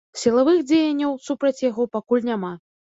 Сілавых дзеянняў супраць яго пакуль няма.